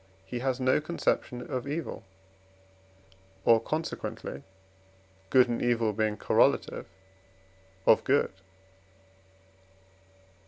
he has no conception of evil, or consequently (good and evil being correlative) of good.